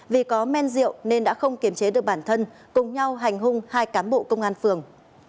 vì có men rượu nên đã không kiềm chế được bản thân cùng nhau hành hung hai cán bộ công an phường